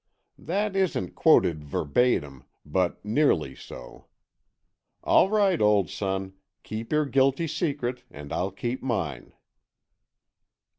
That isn't quoted verbatim, but nearly so. All right, old son, keep your guilty secret and I'll keep mine."